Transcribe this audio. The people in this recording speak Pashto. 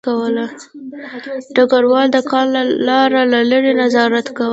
ډګروال د کان لاره له لیرې نظارت کوله